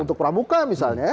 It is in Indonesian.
untuk pramuka misalnya